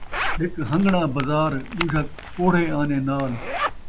ہک ہن٘گݨاں بزار ، ݙوجھا کوڑھے آنے نال